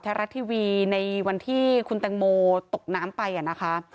รัฐทีวีในวันที่คุณแตงโมตกน้ำไปนะคะ